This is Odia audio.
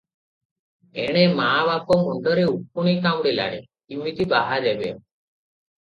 ଏଣେ ମା ବାପ ମୁଣ୍ଡରେ ଉକୁଣି କାମୁଡ଼ିଲାଣି, କିମିତି ବାହା ଦେବେ ।